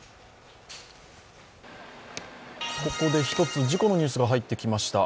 ここで１つ、事故のニュースが入ってきました。